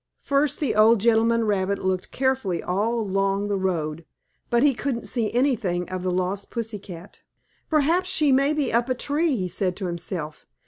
First the old gentleman rabbit looked carefully all along the road, but he couldn't see anything of the lost pussy cat. "Perhaps she may be up a tree," he said to himself.